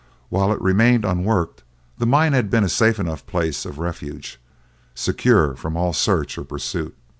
While it remained unworked, the mine had been a safe enough place of refuge, secure from all search or pursuit.